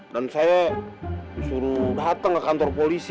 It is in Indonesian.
dan saya disuruh dateng ke kantor polisi